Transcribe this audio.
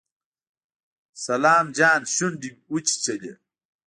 سلام جان شونډې وچيچلې.